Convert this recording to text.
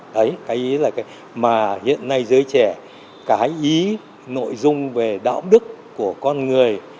đấy cái ý là cái mà hiện nay giới trẻ cái ý nội dung về đạo đức của con người